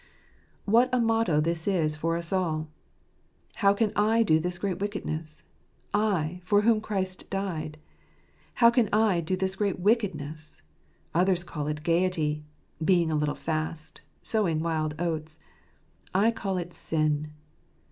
What a motto this is for us all! " How can I do this great wickedness ?"/, for whom Christ died. " How can I do this great wickedness ?" Others call it "gaiety"; "being a little fast"; "sowing wild oats." I call it sin.